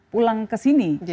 pulang ke sini